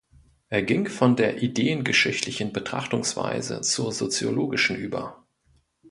Er ging von der ideengeschichtlichen Betrachtungsweise zur soziologischen über.